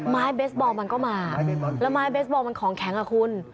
ไม้เบสบอลมันก็มาแล้วไม้เบสบอลมันของแข็งอ่ะคุณ